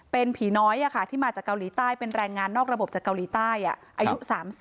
เป็นผีน้อยที่มาจากเกาหลีใต้เป็นแรงงานนอกระบบจากเกาหลีใต้อายุ๓๐